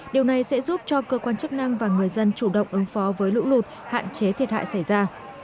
điều này sẽ giúp cho cơ quan chức năng và người dân chủ động ứng phó với lũ lụt hạn chế thiệt hại xảy ra